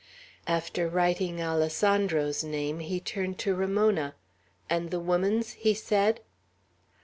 After writing Alessandro's name, he turned to Ramona. "And the woman's?" he said.